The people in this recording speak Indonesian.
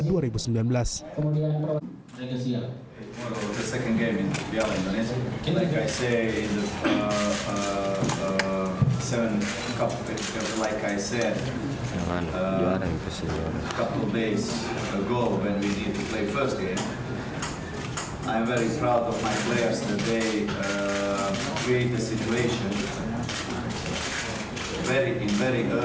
di peristiwa yang sangat awal kita bisa melawan psm